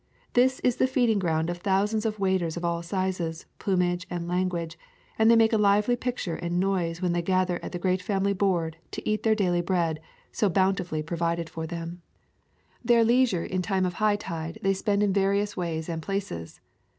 This is the feeding ground of thousands of waders of all sizes, plumage, and language, and they make a lively picture and noise when they gather at the great family board to eat their daily bread, so bountifully provided for them. [ 131 ] A Thousand Mile VW alk Their leisure in time of high tide they spend in various ways and places.